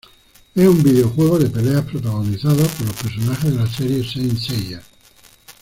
Es un videojuego de peleas protagonizado por los personajes de la serie Saint Seiya.